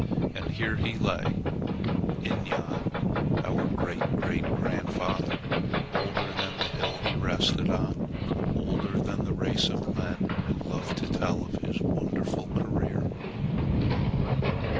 And here he lay Inyan our great great grandfather, older than the hill he rested on, older than the race of men who love to tell of his wonderful career.